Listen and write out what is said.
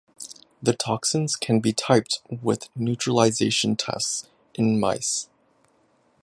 The toxins can be typed with neutralization tests in mice.